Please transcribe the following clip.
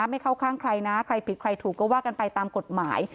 ไม่เข้าข้างใครนะใครผิดใครถูกก็ว่ากันไปตามกฎหมาย